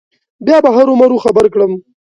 بیا به هرو مرو خبر کړم.